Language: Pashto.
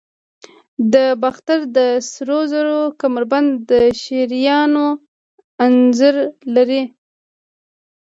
د باختر د سرو زرو کمربند د شیرانو انځور لري